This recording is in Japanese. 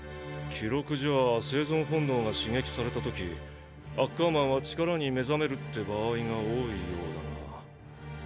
記録じゃ生存本能が刺激された時アッカーマンは力に目覚めるって場合が多いようだが。